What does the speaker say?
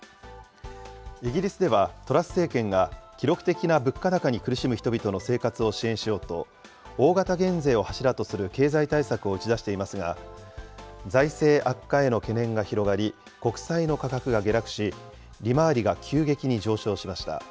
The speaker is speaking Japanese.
イギリスではトラス政権が記録的な物価高に苦しむ人の生活を支援しようと、大型減税を柱とする経済対策を打ち出していますが、財政悪化への懸念が広がり、国際の価格が下落し、利回りが急激に上昇しました。